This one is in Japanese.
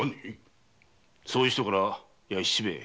そういう人からやい七兵衛！